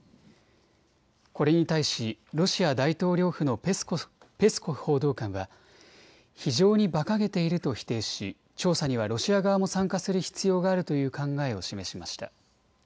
これに対しロシア大統領府のペスコフ報道官は非常にばかげていると否定し調査にはロシア側も参加する必要があるという考えを示しました。